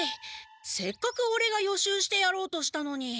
せっかくオレが予習してやろうとしたのに。